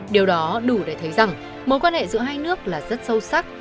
điều đó đủ để thấy rằng mối quan hệ giữa hai nước là rất sâu sắc